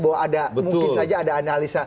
bahwa ada mungkin saja ada analisanya betul